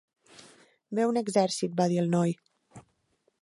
"Ve un exèrcit", va dir el noi.